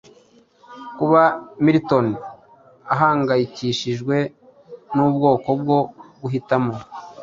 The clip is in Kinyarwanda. Kuba Milton ahangayikishijwe n'ubwoko bwo guhitamo,